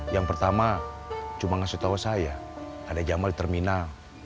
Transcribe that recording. yang pertama cuma ngasih tahu saya ada jamal di terminal